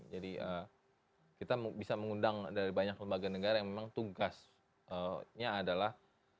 jadi kita bisa mengundang dari banyak lembaga negara yang memang tugasnya adalah